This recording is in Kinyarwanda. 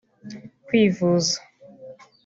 kwivuza